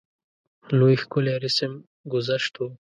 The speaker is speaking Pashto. لوی ښکلی رسم ګذشت وو.